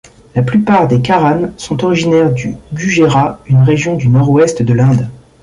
La plupart des Karanes sont originaires du Gujerat, une région du Nord-ouest de l'Inde.